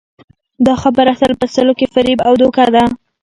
دا خبره سل په سلو کې فریب او دوکه ده